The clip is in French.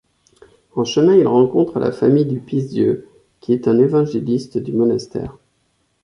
En chemin ils rencontrent la famille du Pisse-Dieu qui est un évangéliste du monastère.